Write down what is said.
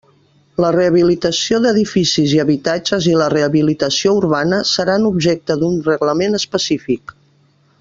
La rehabilitació d'edificis i habitatges i la rehabilitació urbana seran objecte d'un reglament específic.